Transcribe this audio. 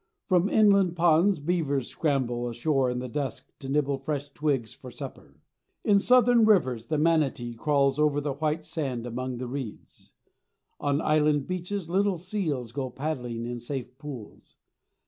From inland ponds beavers scramble ashore in the dusk to nibble fresh twigs for supper. In southern rivers the manatee crawls over the white sand among the reeds. On island beaches little seals go paddling in safe pools.